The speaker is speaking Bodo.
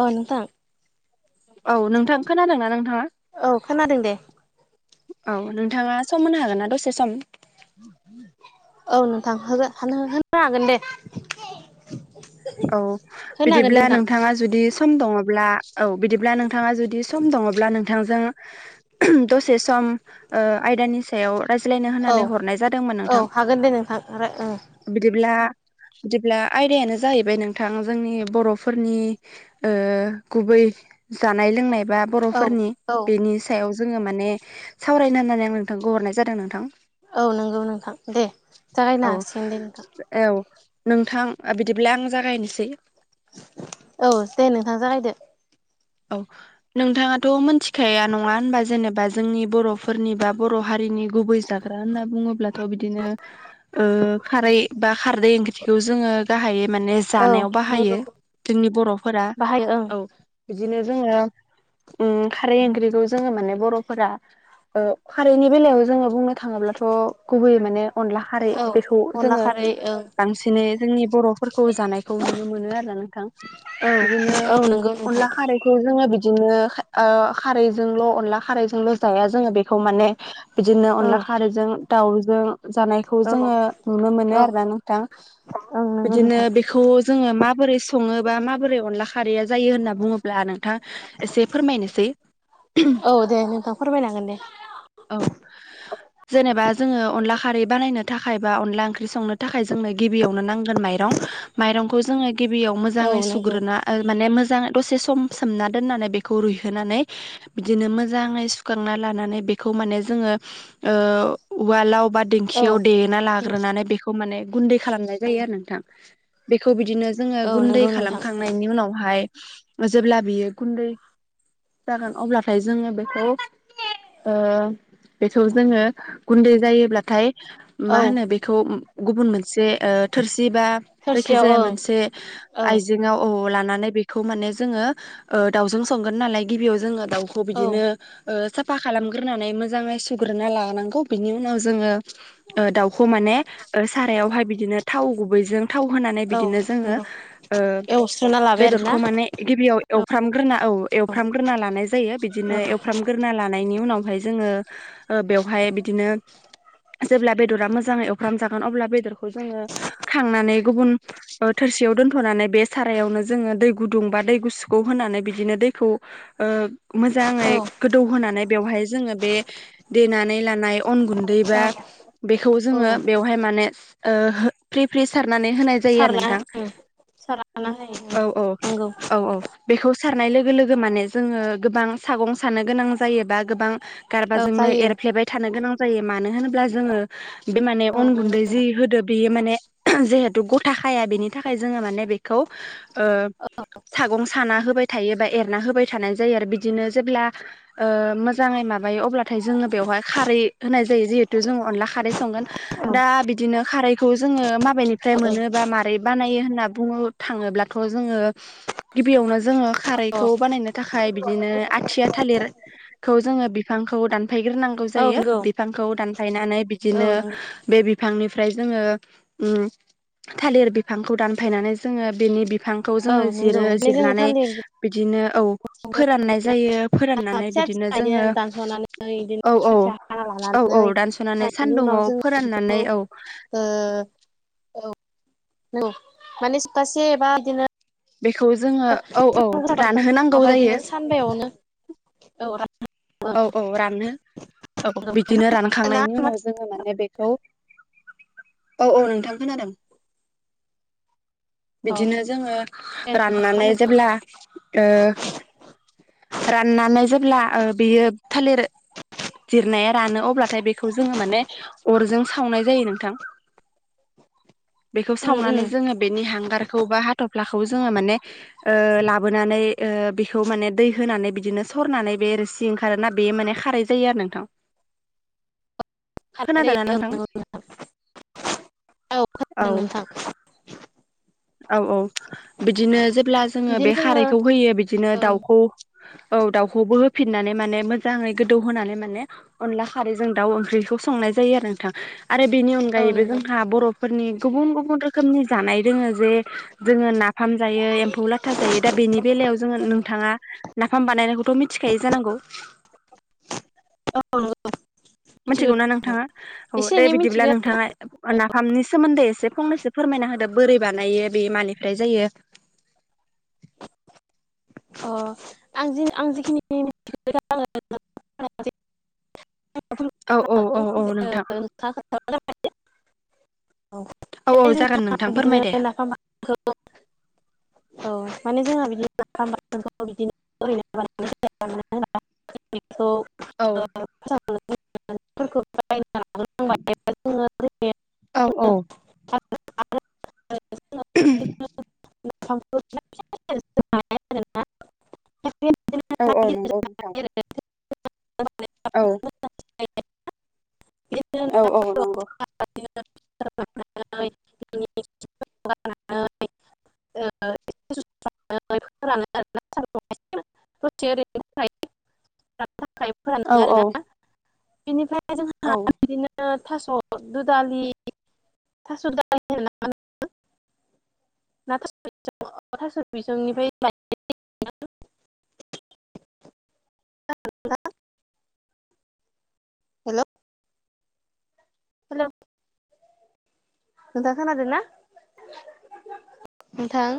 अ नोंथां? औ नोंथां खोनादों नोंथाङा? औ खोनादों दे। औ नोंथाङा सम होनो हागोन ना दसे सम? औ नोंथां होगोन होनो हागोन दे। औ होनो हागोन दे बिदिब्ला नोंथां नोंथाङा जुदि सम दङब्ला? औ बिदिब्ला नोंथाङा जुदि सम दङब्ला नोंथांजों ओहम दसे सम आयदानि सायाव रायज्लायनो औ होननानै हरनाय जादोंमोन औ नोंथां? हागोन दे नोंथां बिदिब्ला बिदिब्ला आयदायानो जाहैबाय नोंथां जोंनि बर'फोरनि ओ गुबै जानाय लोंनाय बा औ बर'फोरनि औ बेनि सायाव जोङो माने सावरायनो होननानै आं नोंथांखौ हरनाय जादों नोंथां। औ नंगौ नोंथां दे औ जागायनो हासिगोन दे नोंथां। औ नोंथां बिदिब्ला आं जागायनोसै। औ दे नोंथां जागायदो। औ। नोंथाङाथ' मोनथिखाया नङा होनबा जेनेबा जोंनि बर'फोरनि बा बर' हारिनि गुबै जाग ग्रा होनना बुङोब्लाथ' बिदिनो ओ खारै बा खारदै ओंख्रिखौ जोङो गाहायै माने औ जानायाव नंगौ बाहायो जोंनि बर'फोरा बाहायो ओं औ। बिदिनो जोङो ओं खारै ओंख्रिखौ जोङो माने बर'फोरा ओ खारैनि बेलायाव जोङो बुंनो थाङोब्लाथ' गुबैयै माने अनला खारै औ बेखौ अनला जोङो खारै ओं बांसिनै जोंनि बर'फोरखौ जानायखौ नुनो मोनो आरो नोंथां बिदिनो नोंगौ ओं। अनला खारैखौ जोङो बिदिनो ओ खारैजोंल' अनला खारैजोंल' जाया जोङो बेखौ माने बिदिनो औ अनला खारैजों दाउजों जानाय खौ औ जोंङो नुनो मोनो औ आरोना नोंथां औ नंगौ बिदिनो नोंथां बे खौ जोङो माबोरै सङोबा माबोरै अनला खारैया जायो होनना बुङोब्ला नोंथाङा एसे फोरमायनोसै औ दे नोंथां फोरमायनांगोन दे। औ जेनेबा जोङो अनला खारै बानायनो थाखाय बा अनला ओंख्रि संनो थाखाय जोंनो गिबियावनो नांगोन माइरं। माइरंखौ जोङो गिबियाव औ मोजाङै नंगौ सुग्रोना ओ माने मोजाङै दसे सम सोमना दोननानै बेखौ रुइहोनानै बिदिनो मोजाङै सुखांना लानानै बेखौ माने जोङो ओ उवालाव बा औ दिेंखियाव देना दिंखि लाग्रोनानै बेखौ माने गुन्दै खालामनाय जायो आरो नोंथां बेखौ बिदिनो जोङो औ गुन्दै नंगौ नोंथां खालामखांनायनि उनावहाय जेब्ला बियो गुन्दै जागोन अब्लाथाय जोङो बेखौ ओ बेखौ जोङो गुन्दै जायोब्लाथाय औ मा होनो बेखौ गुबुन मोनसे थोरसि बा थोरसियाव जायखिजाया ओं मोनसे औ आइजेङाव औ लानानै बे खौ माने जोङो ओ दाउजों संगोन नालाय गिबियाव जोङो दाउखौ औ बिदिनो ओ साफा खालामग्रोनानै मोजाङै सुग्रोना लानांगौ बिनि उनाव जोङो ओ दाउखौ माने ओ सारायावहाय बिदिनो थाव गुबैजों थाव होनानै औ बिदिनो जोङो नंगौ ओ एवस्रोना लाबाय बेदर आरोना गिबियाव एवफ्रामग्रोना औ एवफ्रामग्रोना लानाय जायो औ बिदिनो एवफ्रामग्रोना लानायनि उनावहाय जोङो ओ बेवहाय बिदिनो जेब्ला बेदरा मोजाङै एवफ्राम जागोन अब्ला बेदरखौ जोङो खांनानै गुबुन ओ थोरसियाव दोनथ'नानै बे सारायावनो जोङो दै गुदुं बा दै गुसुखौ होनानै बिदिनो दैखौ ओ औ मोजाङै गोदौहोनानै बेवहाय जोङो बे देनानै लानाय अन गुन्दै औ बा बेखौ औ जोङो बेवहाय माने ओ हो फ्रि फ्रि सारनानै होनाय जायो सारला नोंथां ओं सारना होयो ओं औ औ नंगौ औ औ बेखौ सारनाय लोगो लोगो माने जोङो गोबां सागं सानो गोनां जायो बा गोबां औ गारबाजोंनो जायो एरफ्लेबाय थानो गोनां जायो मानो होनोब्ला जोङो बे माने औ अन नंगौ गुन्दै जि होदो बेयो माने जिहेथु गथा खाया बेनि थाखाय जोङो माने बेखौ ओ औ सागं साना होबाय थायो बा एरना होबाय थानाय जायो आरो बिदिनो जेब्ला ओ मोजाङै माबायो अब्लाथाय जोङो बेवहाय खारै होनाय जायो जिहेतु जोङो अनला खारै संगोन औ दा बिदिनो खारैखौ जोङो माबेनिफ्राय औ मोनो बा मा फ्राय बानायो होनना बुनो थाङोब्लाथ' जोङो गिबियावनो जोङो खारैखौ बानायनो थाखाय बिदिनो आथिया थालिरखौ जोङो बिफांखौ दानफायग्रोनांगौ औ जायो नंगौ बि फांखौ दानफायनानै औ बिदिनो नंगौ बे बिफांनिफ्राय जोङो ओम थालिर बिफांखौ दानफायनानै जोङो बेनि बि फांखौ जोङो औ नंगौ जिरो ओमफ्राय जोङो जिरनानै थालिर बिदिनो औ फोराननाय जायो फोराननानै फिसा बिदिनो फिसा जोङो दानस'नानै बिदिनो औ फिसा औ फिसा हाना औ औ लानानै दानस'नानै हानायनि उनाव सानदुंआव जों फोराननानै औ ओ औ औ माने सपथासे बा बिदिनो बेखौ जोङो औ औ रानहोनांगौ माबा बिदिनो जायो। सानबायावनो औ रा औ औ राननो औ बिदिनो रान रानोना खांनायनि उनाव जोङो माने बेखौ औ औ नोंथां खोनादों। औ बिदिनो जोङो दे नोंथां मा राननानै होनो जेब्ला ओ राननानै जेब्ला ओ बेयो थालिर जिरनाया रानो अब्लाथाय बेखौ जोङो माने अरजों सावनाय जायो नोंथां। बेखौ उम उम सावनानै जोङो बेनि हांगारखौ बा हाथ'फ्लाखौ जोङो माने ओ लाबोनानै ओ बेखौ माने दै होनानै बिदिनो सरनानै बे सि ओंखारोना बे माने खारै जायो आरो नोंथां। खानाय जायो खोनादोंना ओं नोंथां? नंगौ औ। खोनादों नोंथां औ औ बिदिनो जेब्ला जोङो बे खारैखौ होयो बिदिनो ओं दाउखौ औ दाउखौबो होफिननानै माने मोजाङै गोदौ होनानै माने अनला खारैजों दाउ ओंख्रैखौ संनाय जायो आरो नोंथां। आरो बेनि औ अनगायैबो नंगौ जोंहा बर'फोरनि गुबुन गुबुन रोखोमनि जानाय दोङो जे जोङो ना नाफाम जायो एम्फौ लाथा जायो दा बेनि बेलायाव जोङो नोंथाङा नाफाम बानायनायखौथ' मिथ थिखायो जानांगौ मिथिगौ ना नोंथाङा औ एसे दे एनै बिदिब्ला मिथिगौ आरोना नोंथाङा नाफामनि सोमोन्दै एसे फंनैसो फोरमायना होदो बोरै बानायो बे मानिफ्राय जायो अ आं जि आं जिखिनि [unintelligible] [unintelligible] औ औ औ औ औ [unintelligible] नोंथां औ औ जागोन जोंहा नोंथां बिदिनो फोरमाय दे नाफाम बा औ माने जोंहा औ [unintelligible] [unintelligible] जोङो ओरैनो औ औ [unintelligible] [unintelligible] औ औ नंगौ नोंथां [unintelligible] औ। [inaudible] औ ना औ नंगौ। [inaudible] [inaudible] [unintelligible] फोरानो आरोना [unintelligible] दसे ओरै [unintelligible] थाखाय [unintelligible] फोरानो औ आरोना। औ बिनिफ्राय जोंहा औ। ओ थास' दुदालि थास' दालि [unintelligible] ना [unintelligible] थास' बि [unintelligible] थास' बिसंनिफ्राय [inaudible] हेलौ हेलौ नोंथाङा खोनादों ना? नोंथां?